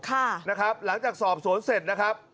ค่ะนะครับหลังจากสอบสวนเสร็จนะครับ